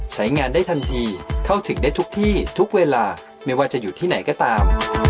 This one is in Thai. ใช้งานได้ทันทีเข้าถึงได้ทุกที่ทุกเวลาไม่ว่าจะอยู่ที่ไหนก็ตาม